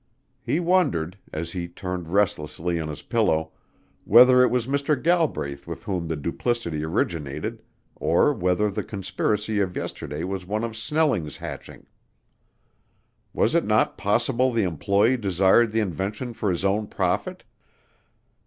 He wondered, as he turned restlessly on his pillow, whether it was Mr. Galbraith with whom the duplicity originated or whether the conspiracy of yesterday was one of Snelling's hatching. Was it not possible the employee desired the invention for his own profit?